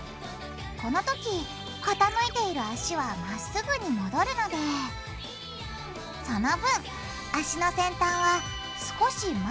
このときかたむいている脚はまっすぐに戻るのでその分脚の先端は少し前の位置に着地。